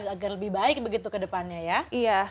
agar lebih baik begitu ke depannya ya